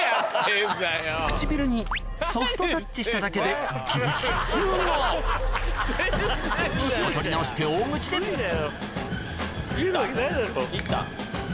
唇にソフトタッチしただけで激痛が気を取り直して大口で行った行った。